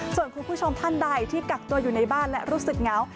ส่วนคุณผู้ชมท่านใดที่กักตัวอยู่ในบ้านและรู้สึกเหงา